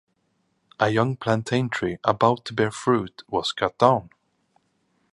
A young plantain-tree, about to bear fruit, was cut down.